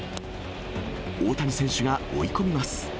大谷選手が追い込みます。